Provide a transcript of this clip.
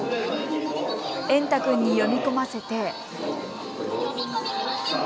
エンタくんに読み込ませて。